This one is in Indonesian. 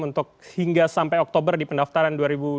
untuk hingga sampai oktober di pendaftaran